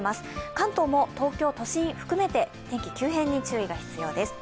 関東も東京都心含めて、天気の急変に注意が必要です。